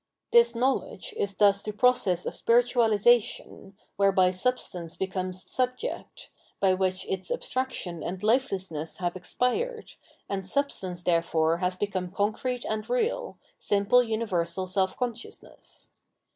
This knowledge is thus the process of spiritualisa tion, whereby Substance becomes Subject, by which its abstraction and lifelessness have expired, and Substance therefore has become concrete and real, simple universal self consciousness.